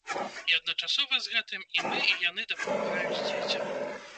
І адначасова з гэтым, і мы, і яны дапамагаюць дзецям.